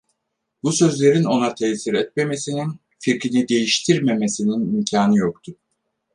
Bu sözlerin ona tesir etmemesinin, fikrini değiştirmemesinin imkanı yoktu.